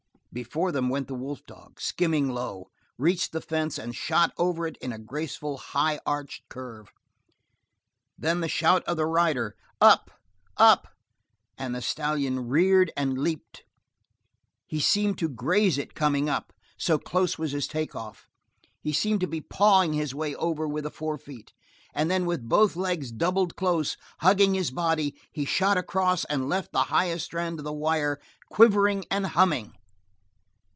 Before them went the wolf dog, skimming low, reached the fence, and shot over it in a graceful, high arched curve. Then the shout of the rider: "Up! Up!" And the stallion reared and leaped. He seemed to graze it coming up, so close was his take off; he seemed to be pawing his way over with the forefeet; and then with both legs doubled close, hugging his body, he shot across and left the highest strand of the wire quivering and humming.